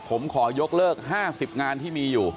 ผมขอยกเลิก๕๐งานที่มีอยู่